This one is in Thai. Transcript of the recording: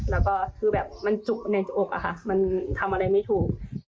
แล้วก็คือแบบมันจุกในตัวอกอะค่ะมันทำอะไรไม่ถูก